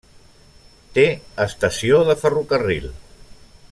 Té estació de ferrocarril.